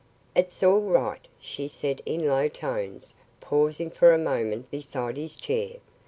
"It's all right," she said in low tones, pausing for a moment beside his chair.